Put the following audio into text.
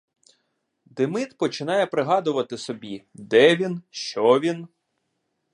Демид починає пригадувати собі — де він, що він.